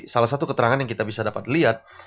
salah satu keterangan yang kita bisa dapat lihat